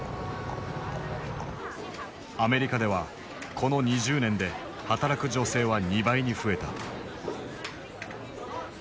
アメリカではこの２０年で働く女性は２倍に増えた。